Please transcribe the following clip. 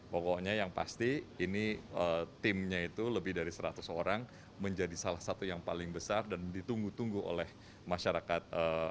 pokoknya yang pasti ini timnya itu lebih dari seratus orang menjadi salah satu yang paling besar dan ditunggu tunggu oleh masyarakat